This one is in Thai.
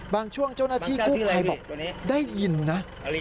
ช่วงเจ้าหน้าที่กู้ภัยบอกได้ยินนะ